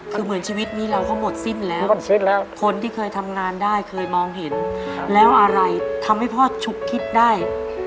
คือเหมือนชีวิตนี้เราเขาหมดสิ้นแล้วคนที่เคยทำงานได้เคยมองเห็นแล้วอะไรทำให้พ่อฉุกคิดได้